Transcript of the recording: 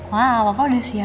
wah papa udah siap aja